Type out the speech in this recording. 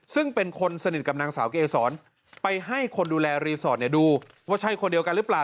ซึ่งเป็นคนสนิทกับนางสาวเกษรไปให้คนดูแลรีสอร์ทดูว่าใช่คนเดียวกันหรือเปล่า